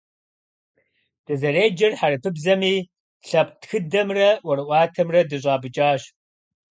Дызэреджэр хьэрыпыбзэми, лъэпкъ тхыдэмрэ ӀуэрыӀуатэмрэ дыщӀапӀыкӀащ.